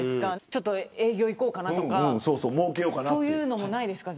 ちょっと営業に行こうかなとかそういうのもないですか。